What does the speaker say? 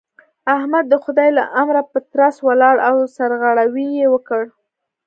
احمد د خدای له امره په ترڅ ولاړ او سرغړاوی يې وکړ.